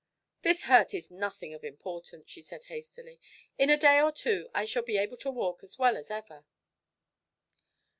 "This hurt is nothing of importance," she said hastily. "In a day or two I shall be able to walk as well as ever."